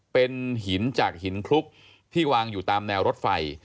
เป็นหินจากหินคลุกที่วางอยู่ตามแนวรถไฟ